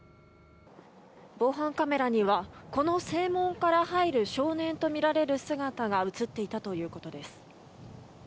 防犯カメラにはこの正門から入る少年とみられる姿が映っていたということです。